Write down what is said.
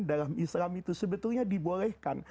dalam islam itu sebetulnya dibolehkan